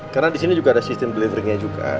karena di sini juga ada sistem delivery nya juga